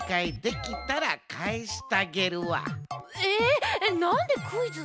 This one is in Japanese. えっなんでクイズ？